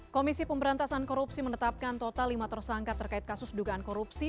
komisi pemberantasan korupsi menetapkan total lima tersangka terkait kasus dugaan korupsi